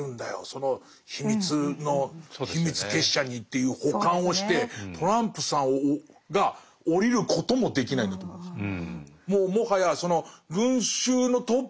その秘密結社に」っていう補完をしてトランプさんが降りることもできないんだと思うんですよ。